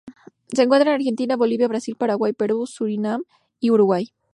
Se encuentra en Argentina, Bolivia, Brasil, Paraguay, Perú, Surinam y Uruguay.